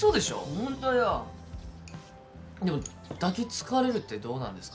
ホントよでも抱きつかれるってどうなんですか？